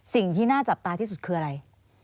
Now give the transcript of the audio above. สิ่งที่น่าจับตาที่สุดคืออะไร